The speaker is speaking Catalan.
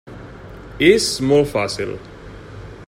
És molt fàcil.